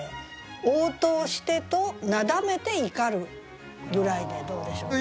「『応答して』となだめて怒る」ぐらいでどうでしょう？